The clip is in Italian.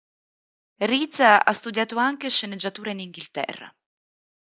Riza ha studiato anche sceneggiatura in Inghilterra.